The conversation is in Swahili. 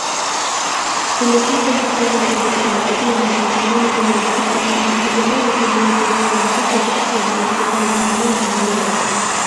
Ilikata uhusiano wa kidiplomasia mwaka elfu mbili kumi na sita , baada ya Saudi Arabia kumuua kiongozi maarufu wa kishia, aliyejulikana kama Nimr al-Nimr